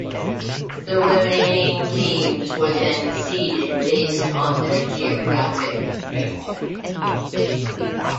The remaining teams were then seeded based on their geographic region.